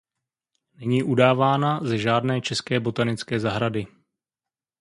Není udávána ze žádné české botanické zahrady.